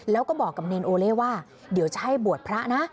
แล้วก็บอกกับเนรโอเล่ว่าเดี๋ยวจะให้บวชพระนะ